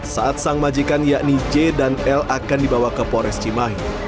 saat sang majikan yakni j dan l akan dibawa ke pores cimahi